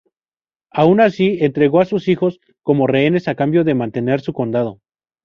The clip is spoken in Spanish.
Aun así entregó a sus hijos como rehenes a cambio de mantener su condado.